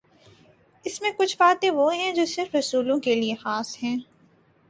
اس میںکچھ باتیں وہ ہیں جو صرف رسولوں کے لیے خاص ہیں۔